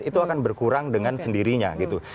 itu akan berkurang dengan sendirinya gitu